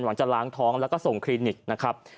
หวังจะล้างท้องแล้วก็ส่งคลินิกนะครับ